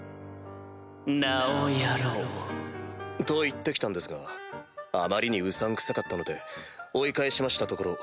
名をやろうと言って来たんですがあまりにうさんくさかったので追い返しましたところ